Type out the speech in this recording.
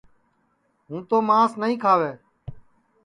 ہُوں تو مانٚس نائیں کھاوے